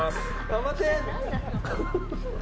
頑張って！